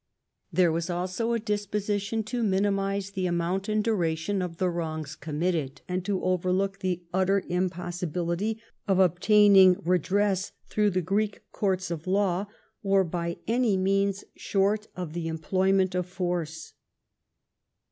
There was also a disposition to minimise the amount and duration of the wrongs committed, and to overlook the utter impossibility of obtaining redress through the Greek courts of law or by any means short of the employment of force.